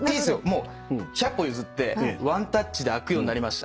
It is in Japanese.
もう百歩譲ってワンタッチであくようになりました。